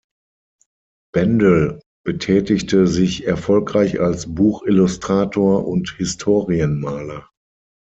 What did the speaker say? Bendel betätigte sich erfolgreich als Buchillustrator und Historienmaler.